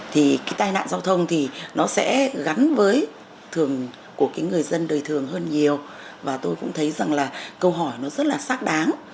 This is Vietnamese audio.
thì cái tai nạn giao thông thì nó sẽ gắn với thường của cái người dân đời thường hơn nhiều và tôi cũng thấy rằng là câu hỏi nó rất là xác đáng